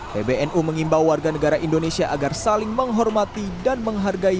pbnu mengimbau warga negara indonesia agar saling menghormati dan menghargai